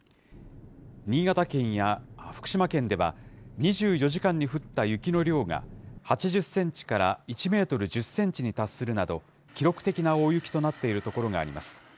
新潟県や福島県では、２４時間に降った雪の量が８０センチから１メートル１０センチに達するなど、記録的な大雪となっている所があります。